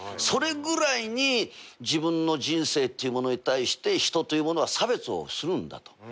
それぐらいに自分の人生っていうものに対して人というものは差別をするんだと。